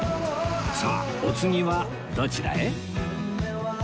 さあお次はどちらへ？